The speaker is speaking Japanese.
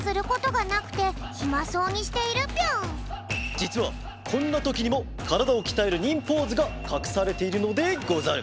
じつはこんなときにもからだをきたえる忍ポーズがかくされているのでござる！